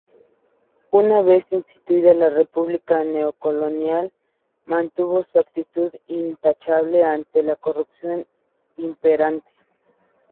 Una vez instituida la República Neocolonial, mantuvo su actitud intachable ante la corrupción imperante.